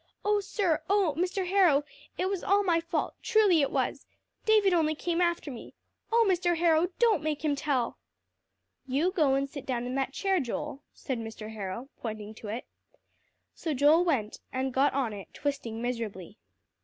"Oh, sir oh, Mr. Harrow, it was all my fault, truly it was. David only came after me. Oh Mr. Harrow, don't make him tell." "You go and sit down in that chair, Joel," said Mr. Harrow, pointing to it. So Joel went, and got on it, twisting miserably.